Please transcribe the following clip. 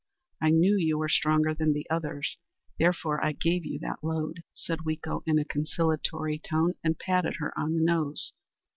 I knew you were stronger than the others, therefore I gave you that load," said Weeko in a conciliatory tone, and patted her on the nose.